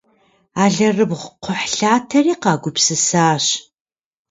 Алэрыбгъу-кхъухьлъатэри къагупсысащ.